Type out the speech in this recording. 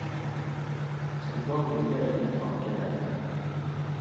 Son port est relié à la mer par un canal.